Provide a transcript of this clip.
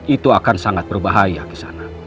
itu akan sangat berbahaya kisana